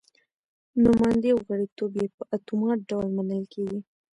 نوماندي او غړیتوب یې په اتومات ډول منل کېږي.